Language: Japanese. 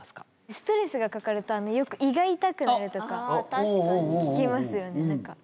ストレスがかかるとよく。とか聞きますよね何か。